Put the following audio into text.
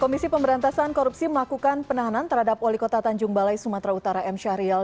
komisi pemberantasan korupsi melakukan penahanan terhadap wali kota tanjung balai sumatera utara m syahrial